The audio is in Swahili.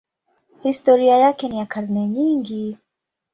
Historia yake ni ya karne nyingi.